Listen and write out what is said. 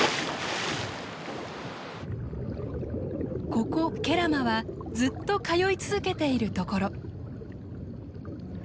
ここ慶良間はずっと通い続けているところ。